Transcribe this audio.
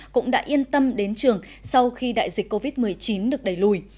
cũng đã yên tâm đến trường sau khi đại dịch covid một mươi chín được đẩy lùi